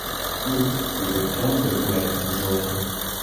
Hjoed wie de krante te let besoarge.